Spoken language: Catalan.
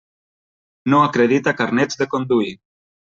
No acredita carnets de conduir.